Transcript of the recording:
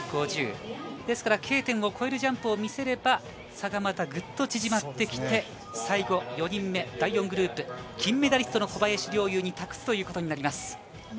Ｋ点を越えるジャンプを見せれば差がぐっと縮まってきて最後４人目、第４グループ金メダリストの小林陵侑に託すということになります。